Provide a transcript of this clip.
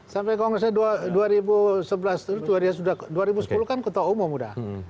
sampai kongresnya dua ribu sebelas dulu dua ribu sepuluh kan ketua umum udah